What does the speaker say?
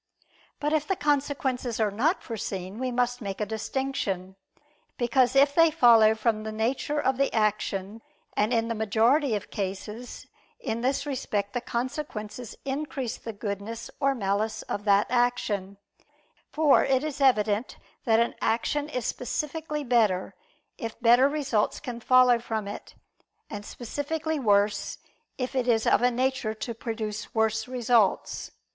But if the consequences are not foreseen, we must make a distinction. Because if they follow from the nature of the action and in the majority of cases, in this respect, the consequences increase the goodness or malice of that action: for it is evident that an action is specifically better, if better results can follow from it; and specifically worse, if it is of a nature to produce worse results.